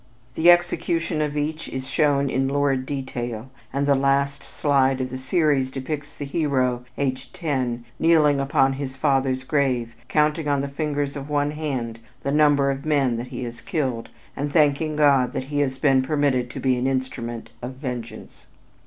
The execution of each is shown in lurid detail, and the last slide of the series depicts the hero, aged ten, kneeling upon his father's grave counting on the fingers of one hand the number of men that he has killed, and thanking God that he has been permitted to be an instrument of vengeance.